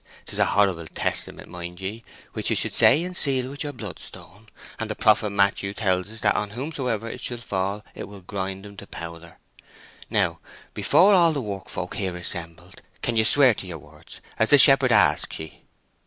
'Tis a horrible testament mind ye, which you say and seal with your blood stone, and the prophet Matthew tells us that on whomsoever it shall fall it will grind him to powder. Now, before all the work folk here assembled, can you swear to your words as the shepherd asks ye?"